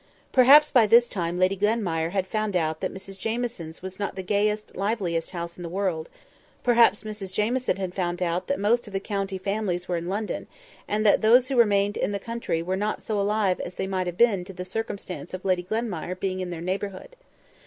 Perhaps by this time Lady Glenmire had found out that Mrs Jamieson's was not the gayest, liveliest house in the world; perhaps Mrs Jamieson had found out that most of the county families were in London, and that those who remained in the country were not so alive as they might have been to the circumstance of Lady Glenmire being in their neighbourhood.